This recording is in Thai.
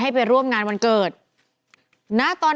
แฮปปี้เบิร์สเจทู